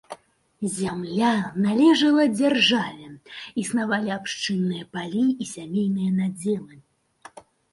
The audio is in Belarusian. Зямля належала дзяржаве, існавалі абшчынныя палі і сямейныя надзелы.